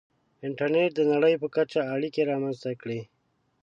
• انټرنېټ د نړۍ په کچه اړیکې رامنځته کړې.